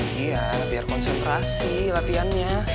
kia biar konsentrasi latihannya